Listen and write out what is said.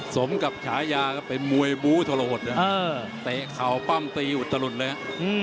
สมกับฉายาก็เป็นมวยบู้ทรหดเตะเข่าปั้มตีอุตลุดเลย